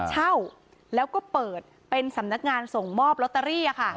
เช่าแล้วก็เปิดเป็นสำนักงานส่งมอบลอตเตอรี่